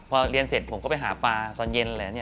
พอเรียนเสร็จผมก็ไปหาปลาตอนเย็นเลย